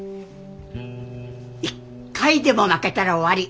一回でも負けたら終わり。